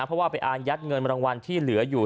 เพราะว่าไปอายัดเงินรางวัลที่เหลืออยู่